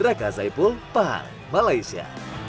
raka saipul pahal malaysia